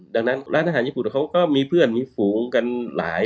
ดังนั้นร้านอาหารญี่ปุ่นเขาก็มีเพื่อนมีฝูงกันหลาย